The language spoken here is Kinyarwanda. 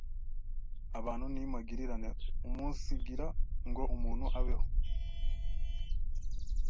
abantu ni magirirane. Umunsigira ngo umuntu abeho